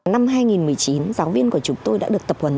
năm hai nghìn một mươi chín giáo viên của chúng tôi đã được tập huấn